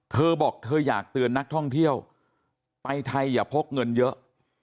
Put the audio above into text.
เธอบอกเธออยากเตือนนักท่องเที่ยวไปไทยอย่าพกเงินเยอะ